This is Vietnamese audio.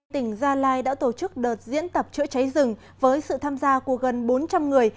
tỉnh gia lai đã tổ chức đợt diễn tập chữa cháy rừng với sự tham gia của gần bốn trăm linh người